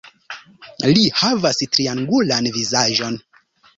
Li havas triangulan vizaĝon.